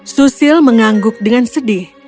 susil mengangguk dengan sedih